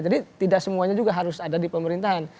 jadi tidak semuanya juga harus ada di pemerintahan